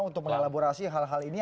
untuk mengelaborasi hal hal ini